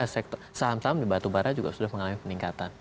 sektor saham saham di batubara juga sudah mengalami peningkatan